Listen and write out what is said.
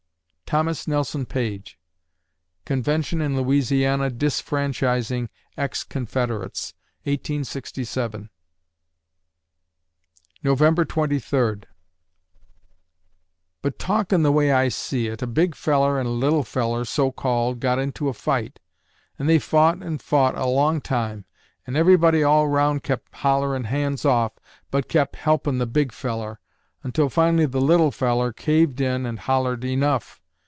THOMAS NELSON PAGE Convention in Louisiana disfranchising ex Confederates, 1867 November Twenty Third But talkin' the way I see it, a big feller and a little feller, SO CALLED, got into a fite, and they fout and fout a long time, and everybody all round kep' hollerin' hands off, but kep' helpin' the big feller, until finally the little feller caved in and hollered enuff.